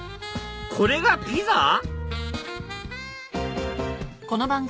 これがピザ？